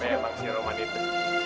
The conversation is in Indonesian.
memang sih roman itu